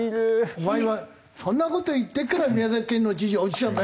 お前はそんな事言ってるから宮崎県の知事落ちたんだよ！